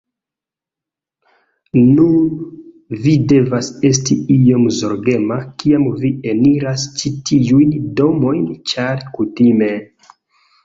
Nun, vi devas esti iom zorgema, kiam vi eniras ĉi tiujn domojn, ĉar kutime...